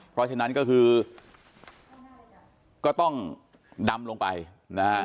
เพราะฉะนั้นก็คือก็ต้องดำลงไปนะฮะ